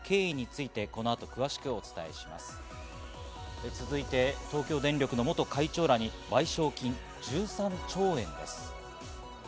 続いて、東京電力の元会長らに賠償金１３兆円です。